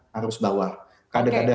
harus bawah kader kader